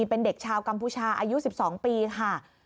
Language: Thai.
เป็นเด็กชาวกัมพูชาอายุ๑๒ปีค่ะ